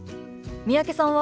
三宅さんは？